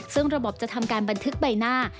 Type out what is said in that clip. ซึ่งระบบจะทำการบันทึกใบหน้า